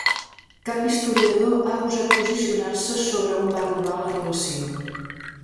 Cap historiador ha gosat posicionar-se sobre on va arribar la relació.